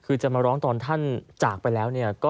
คือจะมาร้องตอนท่านจากไปแล้วเนี่ย